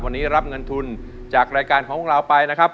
วันนี้รับเงินทุนจากรายการของเราไปนะครับ